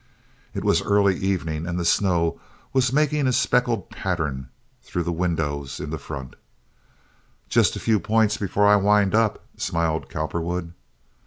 It was early evening, and the snow was making a speckled pattern through the windows in front. "Just a few points before I wind up," smiled Cowperwood.